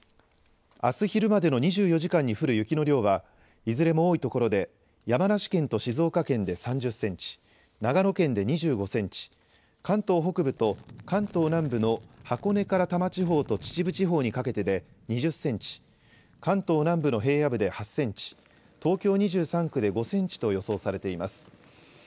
あす昼までの２４時間に降る雪の量はいずれも多いところで山梨県と静岡県で３０センチ、長野県で２５センチ、関東北部と関東南部の箱根から多摩地方と秩父地方にかけてで２０センチ、関東南部の平野部で８センチ、東京２３区で５センチと予想されています。